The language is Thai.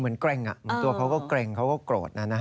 เกร็งเหมือนตัวเขาก็เกร็งเขาก็โกรธนะฮะ